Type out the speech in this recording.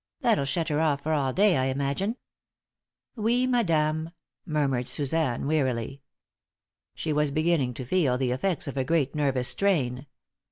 That'll shut her off for all day, I imagine." "Oui, madame," murmured Suzanne, wearily. She was beginning to feel the effects of a great nervous strain.